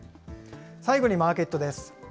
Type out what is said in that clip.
最後にマーケットです。